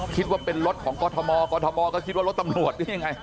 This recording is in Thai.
คิดว่าเป็นรถของกรทมกอทมก็คิดว่ารถตำรวจหรือยังไง